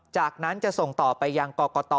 จากนั้นจะส่งต่อไปยังกรกต